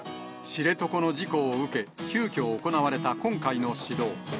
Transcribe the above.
知床の事故を受け、急きょ行われた今回の指導。